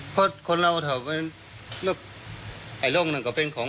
เพราะความสื่อความอะไรของมัน